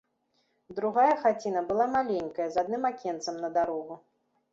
Другая хаціна была маленькая, з адным акенцам на дарогу.